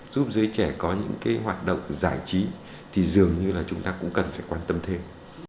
giúp giới trẻ có những cái hoạt động giải trí thì dường như là chúng ta cũng cần phải quan tâm thêm